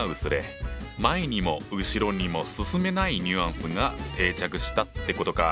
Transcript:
「前にも後ろにも進めない」ニュアンスが定着したってことか。